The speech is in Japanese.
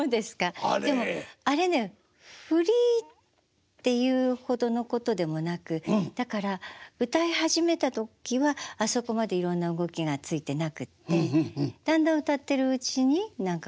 でもあれね振りっていうほどのことでもなくだから歌い始めた時はあそこまでいろんな動きがついてなくってだんだん歌ってるうちに何かこう。